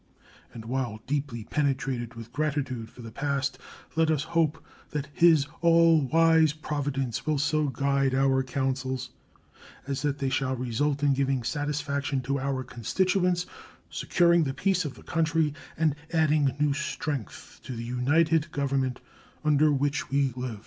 And while deeply penetrated with gratitude for the past, let us hope that His all wise providence will so guide our counsels as that they shall result in giving satisfaction to our constituents, securing the peace of the country, and adding new strength to the united Government under which we live.